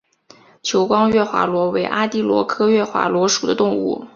珠光月华螺为阿地螺科月华螺属的动物。